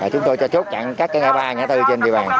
chúng tôi cho chốt chặn các ngã ba ngã tư trên địa bàn